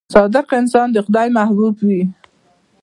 • صادق انسان د خدای محبوب وي.